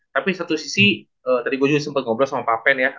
tadi gue juga sempet ngobrol sama papen ya